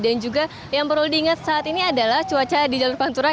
dan juga yang perlu diingat saat ini adalah cuaca di jalur pantura